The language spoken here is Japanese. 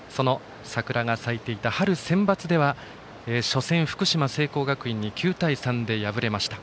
桜が咲いていた春センバツでは初戦、福島の聖光学院に９対３で敗れました。